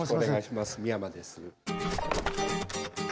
美山です。